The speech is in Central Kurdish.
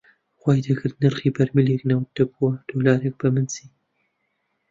خوای دەکرد نرخی بەرمیلێک نەوت دەبووە دۆلارێک، بەمن چی